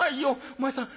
お前さん